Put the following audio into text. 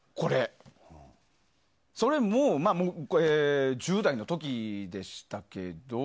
それも１０代の時でしたけど。